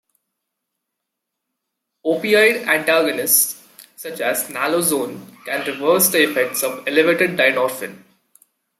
Opioid antagonists, such as naloxone, can reverse the effects of elevated dynorphin.